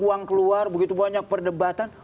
uang keluar begitu banyak perdebatan